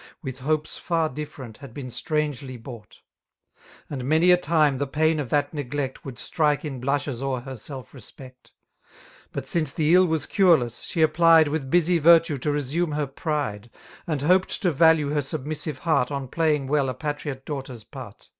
With hopes far different had been strangely bought $ And many a time the pain of that neglect <. Would strike in blushes o'er her self 4'espect: But since the 111 was cureless, she apfdied With busy virtue to resume her pride. And hoped to value her submissive heart On playing well a patriot daughter's part.